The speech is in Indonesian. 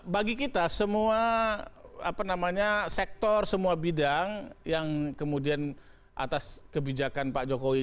bagi kita semua sektor semua bidang yang kemudian atas kebijakan pak jokowi